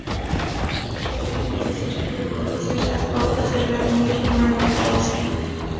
Aquí podríamos decir que recoge ciertas pautas de Vladímir Mayakovski.